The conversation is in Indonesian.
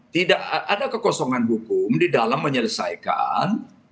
tidak ada kekosongan hukum di dalam menyelesaikan